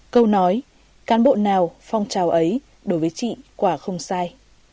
câu nói cán bộ nào phong trào ấy đối với chị quả không sai